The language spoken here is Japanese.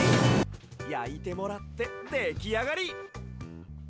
やいてもらってできあがり！